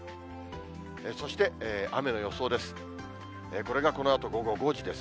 そして、雨の予想です。